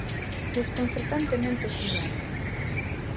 Desconcertantemente xenial.